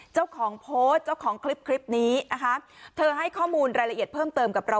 เจ้าของโพสต์เจ้าของคลิปคลิปนี้นะคะเธอให้ข้อมูลรายละเอียดเพิ่มเติมกับเรา